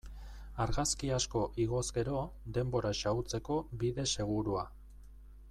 Argazki asko igoz gero, denbora xahutzeko bide segurua.